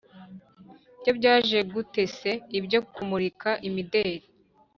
byo byaje gute se ibyo kumurika imideli?